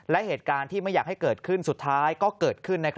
และเหตุการณ์ที่ไม่อยากให้เกิดขึ้นสุดท้ายก็เกิดขึ้น